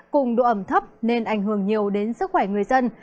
cùng độ ẩm thấp nên ảnh hưởng đến cường độ cao